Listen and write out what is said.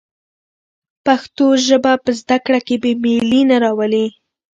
پښتو ژبه په زده کړه کې بې میلي نه راولي.